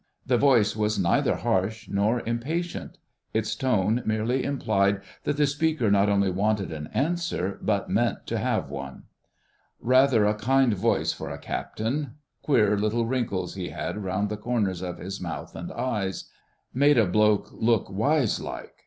The voice was neither harsh nor impatient. Its tone merely implied that the speaker not only wanted an answer but meant to have one. Rather a kind voice for a Captain. Queer little wrinkles he had round the corners of his mouth and eyes ... made a bloke look wise like